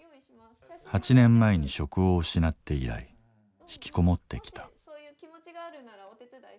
８年前に職を失って以来ひきこもってきた。